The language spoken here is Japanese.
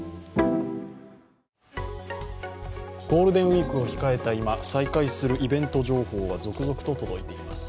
ゴールデンウイークを控えた今、再開するイベント情報が続々と届いています。